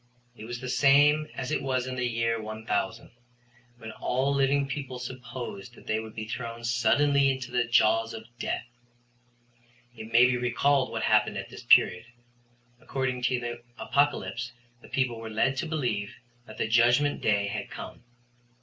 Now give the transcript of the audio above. It was the same as it was in the year 1000, when all living people supposed that they would be thrown suddenly into the jaws of death. It maybe recalled what happened at this period. According to the Apocalypse the people were led to believe that the judgment day had come.